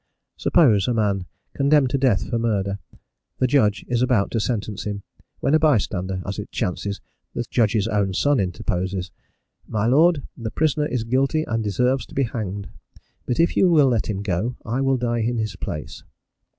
Suppose a man condemned to death for murder: the judge is about to sentence him, when a bystander as it chances, the judge's own son interposes: "My Lord, the prisoner is guilty and deserves to be hanged; but if you will let him go, I will die in his place."